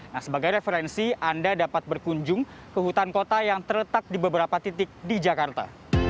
nah sebagai referensi anda dapat berkunjung ke hutan kota yang terletak di beberapa titik di jakarta